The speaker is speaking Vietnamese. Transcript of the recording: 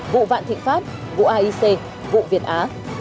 vụ vạn thịnh pháp vụ aic vụ việt á